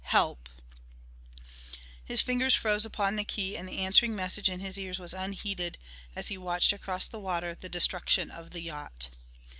Help " His fingers froze upon the key and the answering message in his ears was unheeded as he watched across the water the destruction of the yacht.